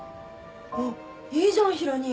あっいいじゃんヒロ兄。